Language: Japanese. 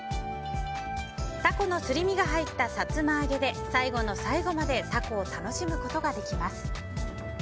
タコのすり身が入ったさつま揚げで最後の最後までタコを楽しむことができます。